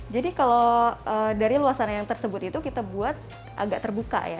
jadi kalau dari luasannya yang tersebut itu kita buat agak terbuka ya